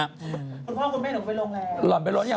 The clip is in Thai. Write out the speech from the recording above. คุณพ่อคุณแม่หนูไปโรงแรม